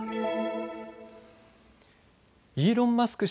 イーロン・マスク